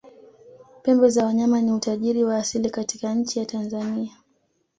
pembe za wanyama ni utajiri wa asili katika nchi ya tanzania